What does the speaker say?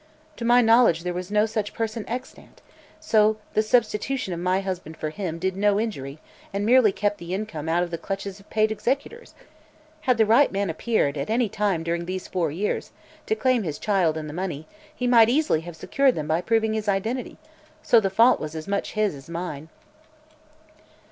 To my knowledge there was no such person existent, so the substitution of my husband for him did him no injury and merely kept the income out of the clutches of paid executors. Had the right man appeared, at any time during these four years, to claim his child and the money, he might easily have secured them by proving his identity. So the fault was his as much as mine."